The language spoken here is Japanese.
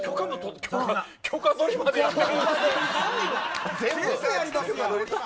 許可取りまでやってる。